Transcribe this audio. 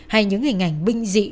hay những hình ảnh binh dị